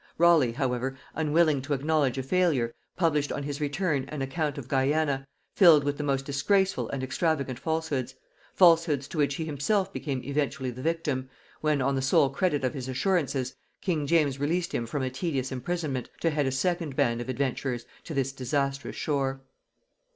Raleigh however, unwilling to acknowledge a failure, published on his return an account of Guiana, filled with the most disgraceful and extravagant falsehoods; falsehoods to which he himself became eventually the victim, when, on the sole credit of his assurances, king James released him from a tedious imprisonment to head a second band of adventurers to this disastrous shore.